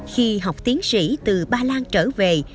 khi học tiến sĩ từ ba lan trở về